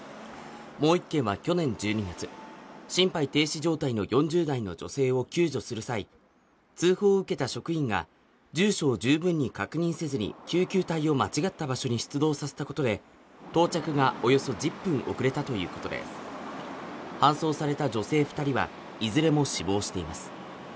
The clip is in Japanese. もう１件は去年１２月、心肺停止状態の４０代の女性を救助する際、通報を受けた職員が、住所を十分に確認せずに救急隊を間違った場所に出動させたことで、到着がおよそ１０分遅れたということで、搬送された女性２人はいずれも死亡しています。